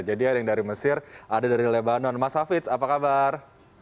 jadi ada yang dari mesir ada dari lebanon mas hafiz apa kabar